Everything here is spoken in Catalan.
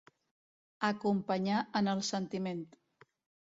Acompanyar en el sentiment.